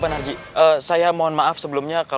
anda mendapatkan nilai